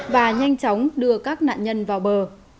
và nhanh chóng đưa các nạn nhân vào bờ